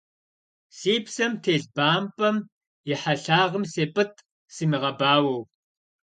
Си псэм телъ бампӏэм и хьэлъагъым сепӀытӀ, симыгъэбауэу.